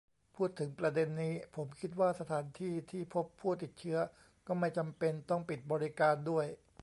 พูดถึงประเด็นนี้ ผมคิดว่าสถานที่ที่พบผู้ติดเชื้อก็ไม่จำเป็นต้องปิดบริการด้วย